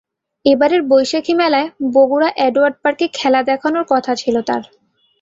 এবারের বৈশাখী মেলায় বগুড়া অ্যাডওয়ার্ড পার্কে খেলা দেখানোর কথা ছিল তাঁর।